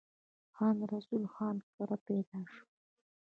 خان رسول خان کره پيدا شو ۔